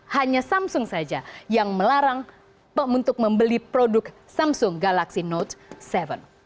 hanya samsung saja yang melarang untuk membeli produk samsung galaxy note tujuh